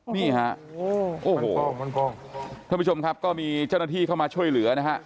นี่ฮะโอ้โหท่านผู้ชมครับก็มีเจ้าหน้าที่เข้ามาช่วยเหลือนะฮะ